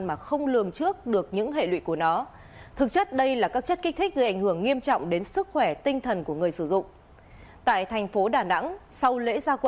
mà không lưu ý cho các tội liên quan đến ma túy